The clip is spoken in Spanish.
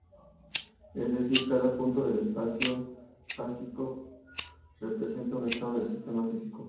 Es decir, cada punto del espacio fásico representa un estado del sistema físico.